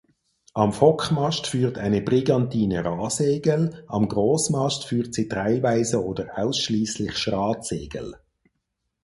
Am Fockmast führt eine Brigantine Rahsegel; am Großmast führt sie teilweise oder ausschließlich Schratsegel.